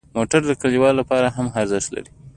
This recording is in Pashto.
موټر د کلیوالو لپاره هم ارزښت لري.